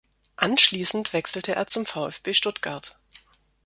Anschließend wechselte er zum VfB Stuttgart.